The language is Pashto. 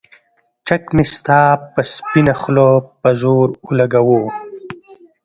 چک مې ستا پۀ سپينه خله پۀ زور اولګوو